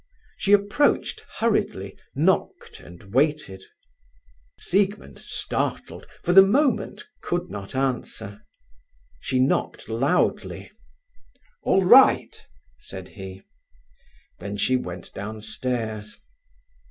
She approached hurriedly, knocked, and waited. Siegmund, startled, for the moment, could not answer. She knocked loudly. "All right," said he. Then she went downstairs.